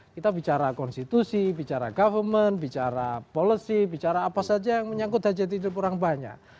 kita bicara konstitusi bicara government bicara policy bicara apa saja yang menyangkut hajat hidup orang banyak